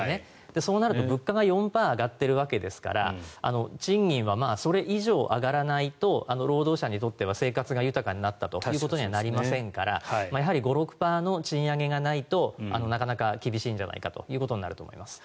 そうなると物価が４％上がっているわけですから賃金はそれ以上上がらないと労働者にとっては生活が豊かになったということにはなりませんからやはり５６％の賃上げがないとなかなか厳しいんじゃないかということになると思います。